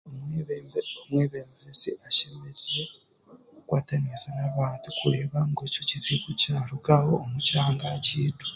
Omwebembezi ashemereire kukwatanisa n'abantu kureeba ngu ekyo kizibu kyarugaho omu kyanga kyaitu.